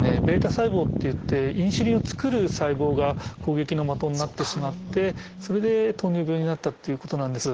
β細胞っていってインスリンを作る細胞が攻撃の的になってしまってそれで糖尿病になったということなんです。